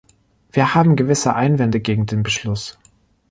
Wir haben gewisse Einwände gegen den Beschluss.